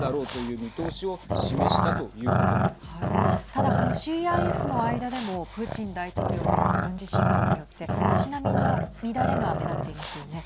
ただ、このＣＩＳの間でもプーチン大統領による軍事侵攻によって足並みの乱れが目立っていますよね。